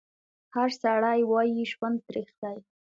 هر سړی وایي ژوند تریخ دی